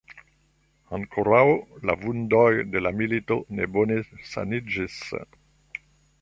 Ankoraŭ la vundoj de la milito ne bone saniĝis.